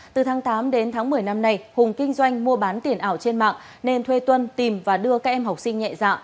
từ tháng tám đến tháng một mươi năm nay hùng kinh doanh mua bán tiền ảo trên mạng nên thuê tuân tìm và đưa các em học sinh nhẹ dạng